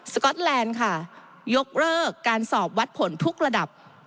ก๊อตแลนด์ค่ะยกเลิกการสอบวัดผลทุกระดับ